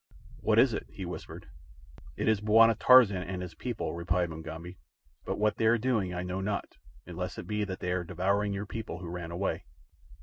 "What is it?" he whispered. "It is Bwana Tarzan and his people," replied Mugambi. "But what they are doing I know not, unless it be that they are devouring your people who ran away."